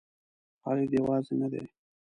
خالد یوازې نه دی.